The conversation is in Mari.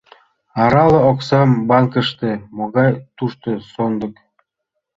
Арале оксам банкыште!» «Могай тушто сондык.